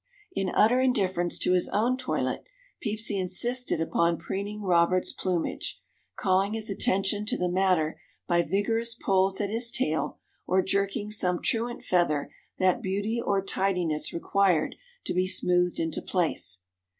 In utter indifference to his own toilet Peepsy insisted upon preening Robert's plumage, calling his attention to the matter by vigorous pulls at his tail, or jerking some truant feather that beauty or tidiness required to be smoothed into place.